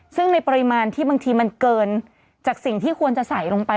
ซึ่งในปริมาณที่บางทีมันเกินจากสิ่งที่ควรจะใส่ลงไป